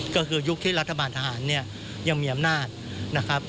ก็คือยุคที่รัฐบาลทหารเนี่ยยังมีอำนาจนะครับ